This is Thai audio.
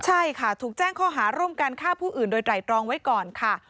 ใช่ค่ะถูกแจ้งข้อหาร่วมการฆ่าผู้อื่นโดยไตรตรองไว้ก่อนค่ะ